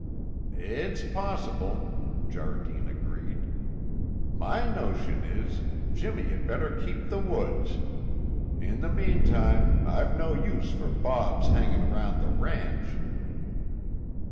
"It's possible," Jardine agreed. "My notion is, Jimmy had better keep the woods. In the meantime, I've no use for Bob's hanging round the ranch."